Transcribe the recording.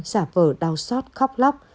xả vờ đau sót khóc lóc